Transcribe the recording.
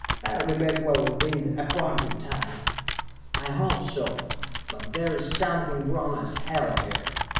"I'll be back well within the appointed time." "I hope so. But there's something wrong as hell here.